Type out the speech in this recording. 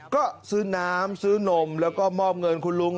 ก็ซื้อน้ำซื้อนมแล้วก็มอบเงินคุณลุง